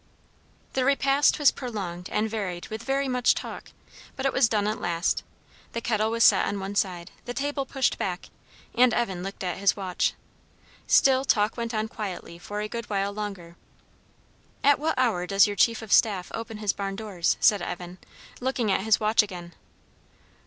The repast was prolonged and varied with very much talk; but it was done at last. The kettle was set on one side, the table pushed back, and Evan looked at his watch. Still talk went on quietly for a good while longer. "At what hour does your chief of staff open his barn doors?" said Evan, looking at his watch again.